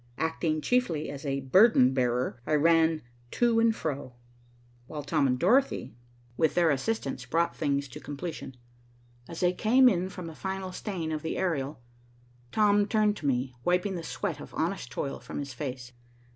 Acting chiefly as a burden bearer, I ran to and fro, while Tom and Dorothy, with their assistants, brought things to completion. As I came in from a final staying of the aerial, Tom turned to me, wiping the sweat of honest toil from his face.